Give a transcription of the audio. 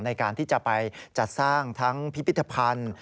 ในการที่จะไปจัดสร้างทั้งพิพิธภัณฑ์